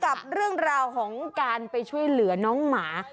กับเรื่องราวของการไปช่วยเหลือน้องหมา